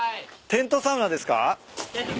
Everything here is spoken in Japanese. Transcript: テントサウナですか？